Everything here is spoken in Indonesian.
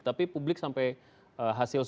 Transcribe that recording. tapi publik sampai hasil survei